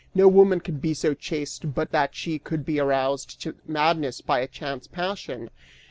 No woman could be so chaste but that she could be roused to madness by a chance passion!